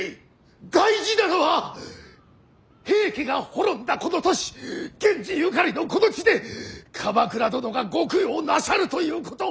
大事なのは平家が滅んだこの年源氏ゆかりのこの地で鎌倉殿がご供養なさるということ。